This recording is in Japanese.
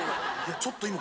ちょっと今。